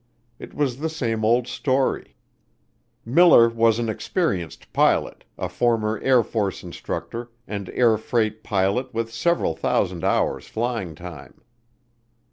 It was the same old story: Miller was an experienced pilot, a former Air Force instructor and air freight pilot with several thousand hours flying time.